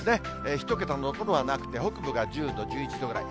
１桁の所はなくて、北部が１０度、１１度ぐらい。